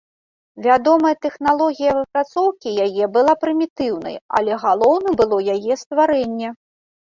Вядомая тэхналогія выпрацоўкі яе была прымітыўнай, але галоўным было яе стварэнне.